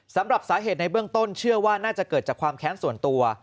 สำหรับสาเหตุในเบื้องต้นเชื่อว่าน่าจะเกิดจากความแค้นส่วนตัว